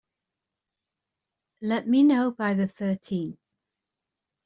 Let me know by the thirteenth.